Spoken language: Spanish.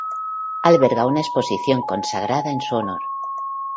Alberga una exposición consagrada en su honor.